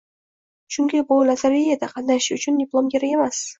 Chunki bu lotoreyada qatnashish uchun diplom kerak emas